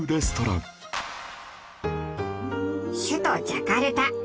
首都ジャカルタ。